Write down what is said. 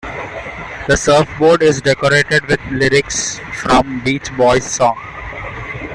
The surfboard is decorated with lyrics from Beach Boys songs.